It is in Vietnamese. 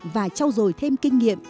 và trao dồi thêm kinh nghiệm